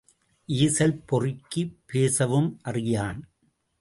ஈசல் பொறுக்கி பேசவும் அறியான்.